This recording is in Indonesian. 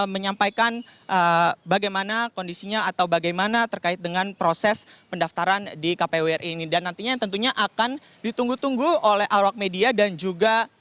menyampaikan bagaimana kondisinya atau bagaimana terkait dengan proses pendaftaran di kpwri ini dan nantinya tentunya akan ditunggu tunggu oleh awak media dan juga